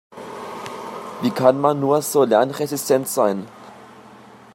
Wie kann man nur so lernresistent sein?